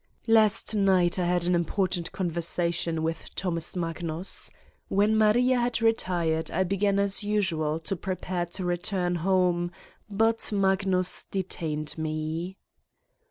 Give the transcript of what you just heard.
Last night I had an important conversation with Thomas Magnus. When Maria had retired I began as usual to prepare to return home but Magnus detained me.